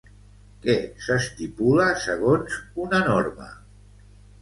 Què s'estipula segons una norma?